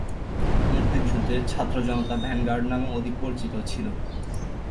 মুক্তিযুদ্ধে ছাত্র জনতা ভ্যানগার্ড নামে অধিক পরিচিত ছিল।